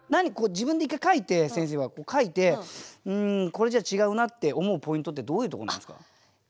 自分で一回書いて先生は書いて「うんこれじゃ違うな」って思うポイントってどういうところなんですか。